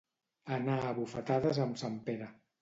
Anar a bufetades amb sant Pere.